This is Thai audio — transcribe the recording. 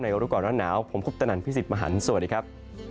ในโอกาสน้ำหนาวผมคุกตะนันพี่สิทธิ์มหันต์สวัสดีครับ